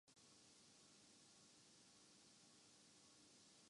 روس کے ملک اشعراء رسول ہمزہ توف کی مارکہ آرا نظم